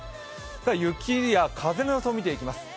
雪や風の予想を見ていきます。